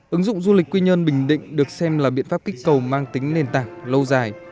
ứng dụng du lịch quy nhơn bình định được xem là biện pháp kích cầu mang tính nền tảng lâu dài